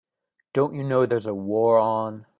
Don't you know there's a war on?